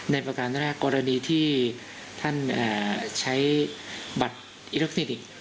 ในประการตั้งแต่ละกรณีที่ท่านใช้บัตรอิลักษณีย์